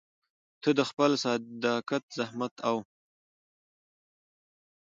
ته د خپل صداقت، زحمت او